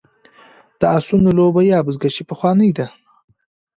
د اسونو لوبه یا بزکشي پخوانۍ ده